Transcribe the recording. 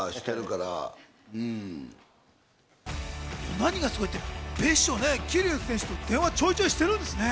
何がすごいって桐生選手と電話をちょいちょいしてるんですね。